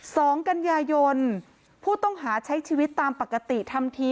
สองกันยายนผู้ต้องหาใช้ชีวิตตามปกติทำที